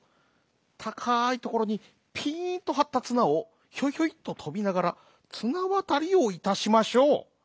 たかいところにピンとはったつなをひょいひょいっととびながらつなわたりをいたしましょう」。